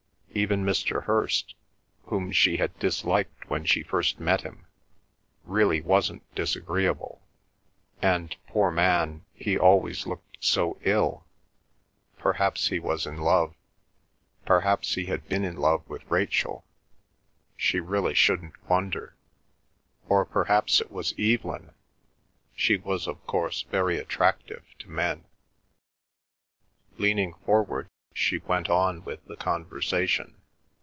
Even Mr. Hirst, whom she had disliked when she first met him, really wasn't disagreeable; and, poor man, he always looked so ill; perhaps he was in love; perhaps he had been in love with Rachel—she really shouldn't wonder; or perhaps it was Evelyn—she was of course very attractive to men. Leaning forward, she went on with the conversation.